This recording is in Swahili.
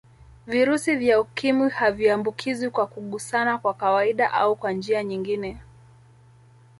Virusi vya Ukimwi haviambukizwi kwa kugusana kwa kawaida au kwa njia nyingine